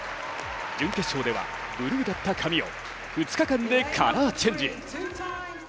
準決勝ではブルーだった髪を２日間でカラーチェンジ。